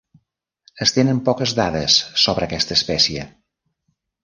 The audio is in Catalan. Es tenen poques dades sobre aquesta espècie.